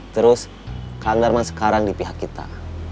terus kang darman sekarang di pihak kita